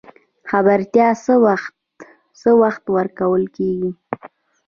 خبرتیا څه وخت ورکول کیږي؟